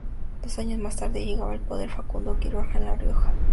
Dos años más tarde, llegaba al poder Facundo Quiroga en La Rioja.